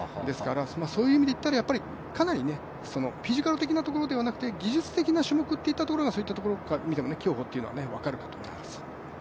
そういう意味で言ったらやっぱりかなりフィジカル的なところではなくて技術的な種目といったところが、そういうところから見ても競歩というのは分かるかと思います。